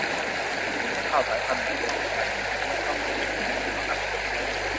นักข่าวสายพันธุ์ใหม่จะจัดการอย่างไรเมื่อต้องเผชิญกับแหล่งข่าวนับพัน